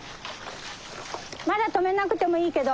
まだ止めなくてもいいけど。